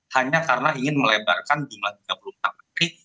hanya karena ingin melebarkan jumlah tiga puluh empat menteri